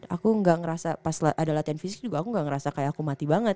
aku gak ngerasa pas ada latihan fisik juga aku gak ngerasa kayak aku mati banget